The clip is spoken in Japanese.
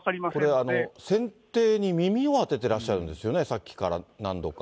これ、船底に耳を当ててらっしゃるんですよね、さっきから、何度か。